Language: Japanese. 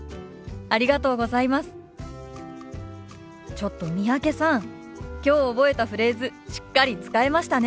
ちょっと三宅さんきょう覚えたフレーズしっかり使えましたね。